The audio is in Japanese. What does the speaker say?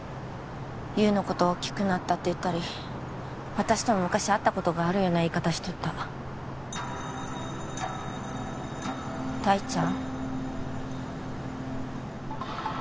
優のことを「大きくなった」って言ったり私とも昔会ったことがあるような言い方しとった大ちゃん？